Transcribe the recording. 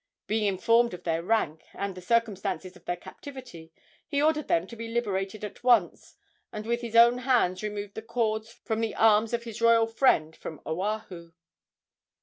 Being informed of their rank and the circumstances of their captivity, he ordered them to be liberated at once, and with his own hands removed the cords from the arms of his royal friend from Oahu.